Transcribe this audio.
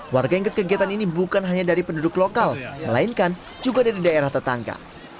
warga yang ikut kegiatan ini bukan hanya dari penduduk lokal melainkan juga dari daerah tetangga